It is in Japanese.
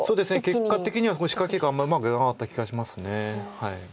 結果的には仕掛けがあんまりうまくいかなかった気がします。